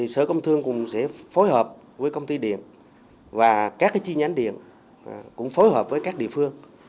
sở công thương cũng sẽ phối hợp với công ty điện và các chi nhánh điện cũng phối hợp với các địa phương